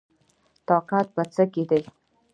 اطاعت په څه کې دی؟